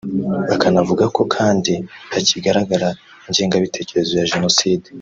bakanavuga ko kandi hakigaragara ingengabitekerezo ya Jenoside